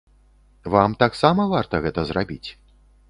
Вам таксама варта гэта зрабіць.